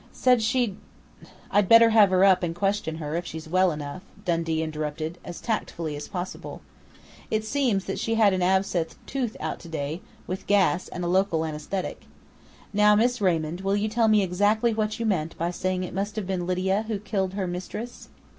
Said she'd " "I'd better have her up and question her, if she's well enough," Dundee interrupted, as tactfully as possible. "It seems that she had an abscessed tooth out today, with gas and a local anesthetic.... Now, Miss Raymond, will you tell me exactly what you meant by saying it must have been Lydia who killed her mistress?"